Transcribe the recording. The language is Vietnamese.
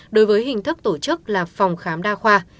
đối với hình thức tổ chức là phòng khám đa khoa